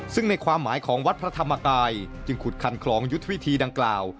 ซึ่งในความหมายของวัดพระธรรมกายจึงขุดคันคลองยุทธวิธีดังกล่าว